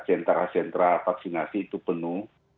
sentra sentra vaksinasi itu penuh